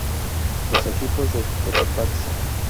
Los equipos de Cotopaxi.